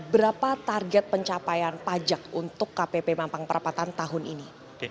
berapa target pencapaian pajak untuk kpp mampang perapatan tahun ini